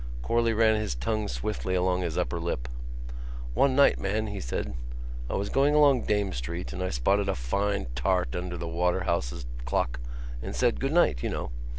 Corley ran his tongue swiftly along his upper lip. "One night, man," he said, "I was going along Dame Street and I spotted a fine tart under Waterhouse's clock and said good night, you know.